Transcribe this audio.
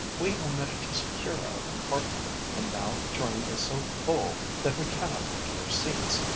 We omitted to secure a compartment, and now the train is so full that we cannot procure seats.